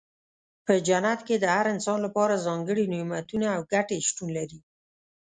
په جنت کې د هر انسان لپاره ځانګړي نعمتونه او ګټې شتون لري.